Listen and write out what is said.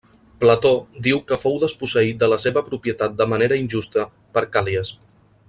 Plató diu que fou desposseït de la seva propietat de manera injusta per Càl·lies.